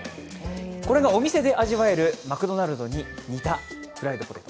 これがお店で味わえるマクドナルドに似たフライドポテト。